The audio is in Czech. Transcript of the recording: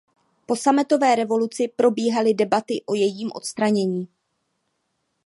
Po sametové revoluci probíhaly debaty o jejím odstranění.